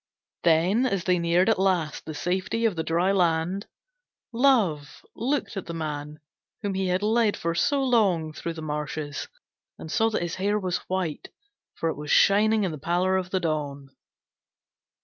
Then, as they neared at last the safety of the dry land, Love looked at the man whom he had led for so long through the marshes, and saw that his hair was white, for it was shining in the pallor of the dawn.